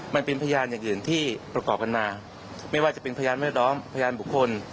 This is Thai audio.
มันเป็นพยานอย่างอื่นที่ประกอบกันมาไม่ว่าจะเป็นพยานแวดล้อมพยานบุคคล